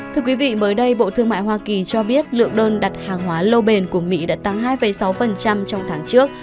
thưa quý vị mới đây bộ thương mại hoa kỳ cho biết lượng đơn đặt hàng hóa lâu bền của mỹ đã tăng hai sáu trong tháng trước